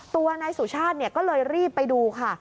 ตัวนายสุชาติก็เลยรีบไปดูค่ะ